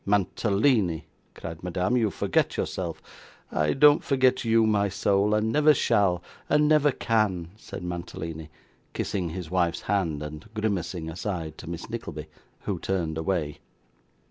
'Mantalini,' cried Madame, 'you forget yourself.' 'I don't forget you, my soul, and never shall, and never can,' said Mantalini, kissing his wife's hand, and grimacing aside, to Miss Nickleby, who turned away.